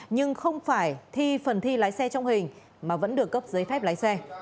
nhưng không phải thi phần thi lái xe trong hình mà vẫn được cấp giấy phép lái xe